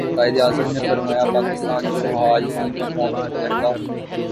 قائد اعظم نے فرمایا پاکستان جو حال ہی میں اقوام متحدہ